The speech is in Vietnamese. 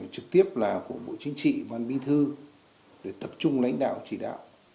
trực tiếp là của bộ chính trị ban bí thư để tập trung lãnh đạo chỉ đạo